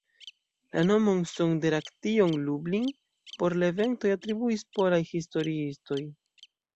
La nomon "Sonderaktion Lublin" por la eventoj atribuis polaj historiistoj.